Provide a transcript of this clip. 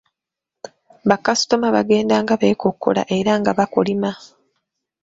Bakasitoma bagenda nga b'ekokkola era nga bakolima.